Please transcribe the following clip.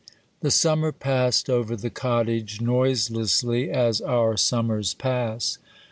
THE summer passed over the cottage, noiselessly, as our summers pass.